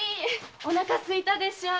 おなかすいたでしょう。